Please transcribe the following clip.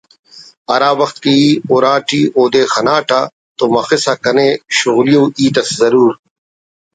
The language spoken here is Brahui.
ہرا وخت کہ ای اُوراٹی اودے خناٹہ تو مخسا کنے شغلی ءُ ہیت اس ضرور